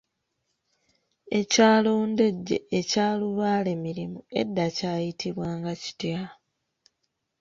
Ekyalo Ndejje ekya lubaale mirimu edda kyayitibwanga kitya?